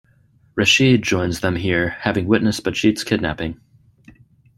Rashid joins them here, having witnessed Batcheat's kidnapping.